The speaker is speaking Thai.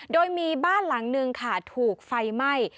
โดยมีบ้านหลังนึงค่ะถูกไฟไหม้